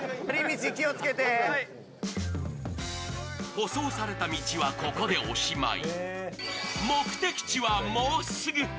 舗装された道はここでおしまい。